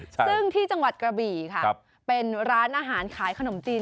ซึ่งที่จังหวัดกระบี่ค่ะเป็นร้านอาหารขายขนมจีน